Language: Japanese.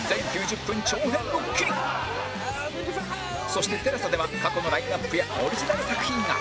そして ＴＥＬＡＳＡ では過去のラインアップやオリジナル作品が